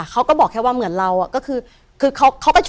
เขาบอกว่ามาว่าคนนี้